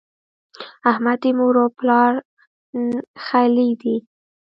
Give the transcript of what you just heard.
احمد د مور او پلار ښهلی دی.